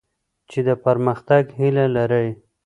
چي د پرمختګ هیله لرئ.